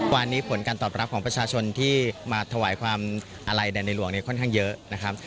วันนี้ผลการตอบรับของประชาชนที่มาถวายความอาลัยแด่ในหลวงเนี่ยค่อนข้างเยอะนะครับ